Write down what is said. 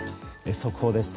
速報です。